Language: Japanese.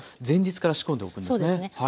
前日から仕込んでおくんですね。